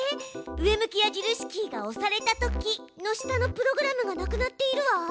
「上向き矢印キーが押されたとき」の下のプログラムがなくなっているわ。